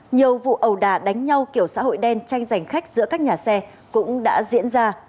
nhiều vụ ầu đà đánh nhau kiểu xã hội đen tranh giành khách giữa các nhà xe cũng đã diễn ra